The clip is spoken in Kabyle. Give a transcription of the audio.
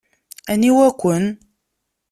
Aniwa-ken?